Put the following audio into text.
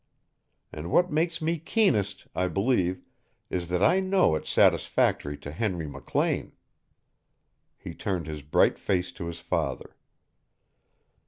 And what makes me keenest, I believe, is that I know it's satisfactory to Henry McLean." He turned his bright face to his father.